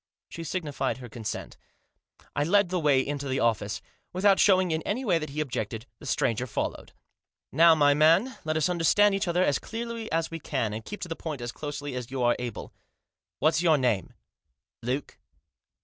She signified her consent. I led the way into the office. Without showing in any way that he objected, the stranger followed. " Now my man, let us understand each other as clearly as we can, and keep to the point as closely as you are able. What's your name ?" "Luke."